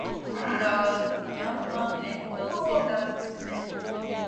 The Gamma and Theta disbanded.